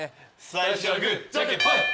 最初はグーじゃんけんぽい。